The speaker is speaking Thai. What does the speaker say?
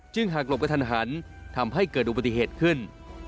หากหลบกระทันหันทำให้เกิดอุบัติเหตุขึ้น